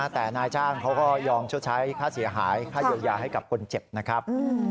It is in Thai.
แต่นายจ้างเขาก็ยอมชดใช้ค่าเสียหายค่าเยียวยาให้กับคนเจ็บนะครับ